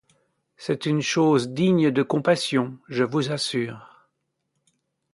C'est une chose digne de compassion, je vous assure.